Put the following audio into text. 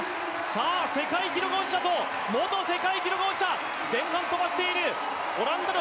さあ、世界記録保持者と、元世界記録保持者前半、飛ばしている。